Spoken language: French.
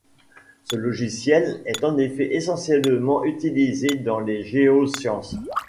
Ce logiciel est en effet essentiellement utilisé dans les géosciences.